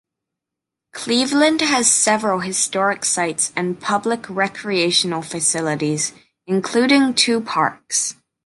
Cleveland has several historic sites and public recreational facilities, including two parks.